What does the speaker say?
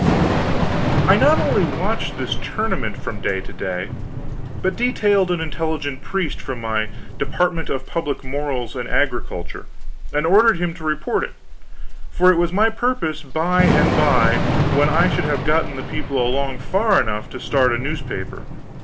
I not only watched this tournament from day to day, but detailed an intelligent priest from my Department of Public Morals and Agriculture, and ordered him to report it; for it was my purpose by and by, when I should have gotten the people along far enough, to start a newspaper.